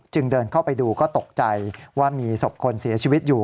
เดินเข้าไปดูก็ตกใจว่ามีศพคนเสียชีวิตอยู่